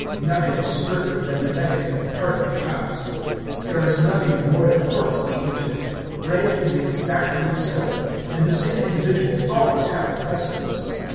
Nothing is stricter than the etiquette of a party of cows. There is nothing in royal courts equal to it; rank is exactly settled, and the same individuals always have the precedence.